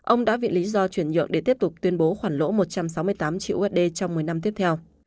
ông đã vì lý do chuyển nhượng để tiếp tục tuyên bố khoản lỗ một trăm sáu mươi tám triệu usd trong một mươi năm tiếp theo